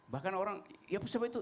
bahkan orang ya siapa itu